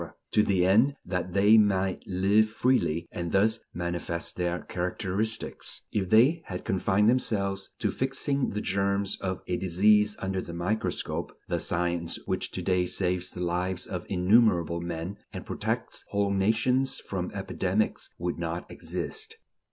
to the end that they "might live freely" and thus manifest their characteristics; if they had confined themselves to fixing the germs of a disease under the microscope, the science which to day saves the lives of innumerable men and protects whole nations from epidemics would not exist.